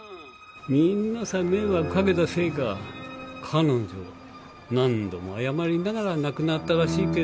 みんなさ迷惑掛けたせいか彼女何度も謝りながら亡くなったらしいけど。